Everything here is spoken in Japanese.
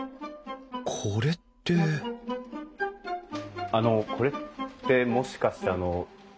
これってあのこれってもしかして牛の。